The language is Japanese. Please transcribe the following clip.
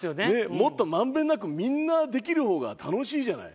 もっと満遍なくみんなできる方が楽しいじゃない。